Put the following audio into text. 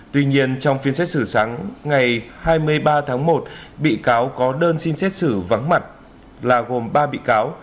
tuy nhiên trong phiên xét xử sáng ngày hai mươi ba tháng một bị cáo có đơn xin xét xử vắng mặt là gồm ba bị cáo